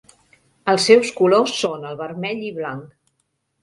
Els seus colors són el vermell i blanc.